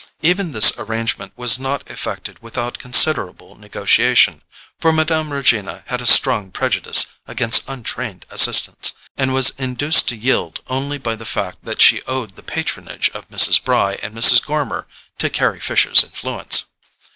Even this arrangement was not effected without considerable negotiation, for Mme. Regina had a strong prejudice against untrained assistance, and was induced to yield only by the fact that she owed the patronage of Mrs. Bry and Mrs. Gormer to Carry Fisher's influence.